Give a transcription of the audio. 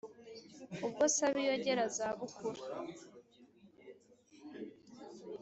ubwo sabiyogera zabukuru